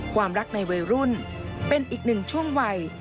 ความรักในวัยรุ่นเป็นอีกหนึ่งช่วงวัย